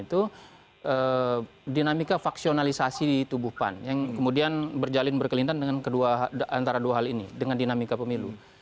itu dinamika faksionalisasi di tubuh pan yang kemudian berjalin berkelintas antara dua hal ini dengan dinamika pemilu